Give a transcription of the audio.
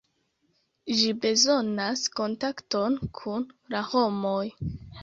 Ĝi bezonas kontakton kun la homoj.